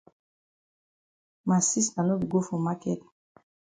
Ma sista no be go for maket.